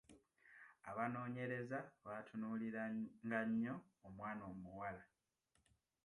Abanoonyereza baatunuuliranga nnyo omwana omuwala.